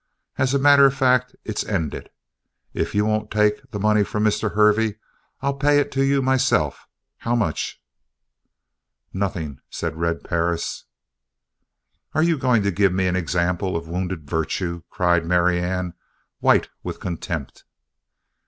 "As a matter of fact, it's ended. If you won't take the money from Mr. Hervey, I'll pay it to you myself. How much?" "Nothing," said Red Perris. "Are you going to give me an example of wounded virtue?" cried Marianne, white with contempt.